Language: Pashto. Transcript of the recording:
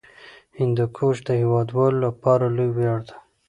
هندوکش د هیوادوالو لپاره لوی ویاړ دی.